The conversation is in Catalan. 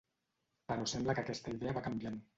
Però sembla que aquesta idea va canviant.